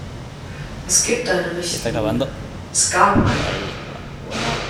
Es gibt eine Richtlinie, es gab eine.